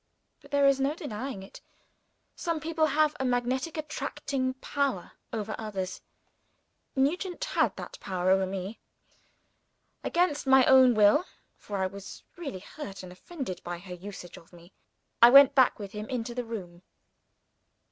But, there is no denying it, some people have a magnetic attracting power over others. Nugent had that power over me. Against my own will for I was really hurt and offended by her usage of me I went back with him into the room.